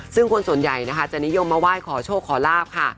ซึ่งคนส่วนใหญ่นะคะจะนิยมมาไหว้ขอโชคขอลาบค่ะ